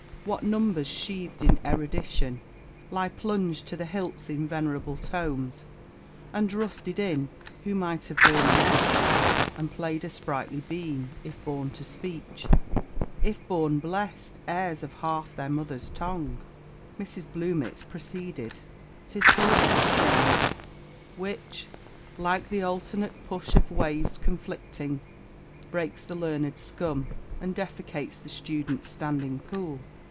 What numbers, sheath'd in erudition, lie, Plung'd to the hilts in venerable tomes, And rusted in, who might have borne an edge, And play'd a sprightly beam, if born to speech If born blest heirs of half their mother's tongue!" Mrs. Bluemits proceeded: "'Tis thought's exchange, which, like the alternate push Of waves conflicting, breaks the learned scum, And defecates the student's standing pool."